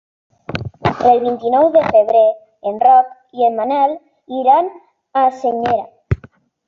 El vint-i-nou de febrer en Roc i en Manel iran a Senyera.